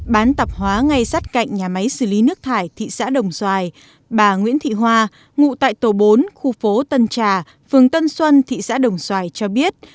bán tạp hóa ngay sát cạnh nhà máy xử lý nước thải thị xã đồng xoài bà nguyễn thị hoa ngụ tại tổ bốn khu phố tân trà phường tân xuân thị xã đồng xoài cho biết